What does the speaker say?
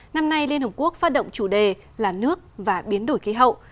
năm nay liên hợp quốc phát động chủ đề là nước và biến đổi khí hậu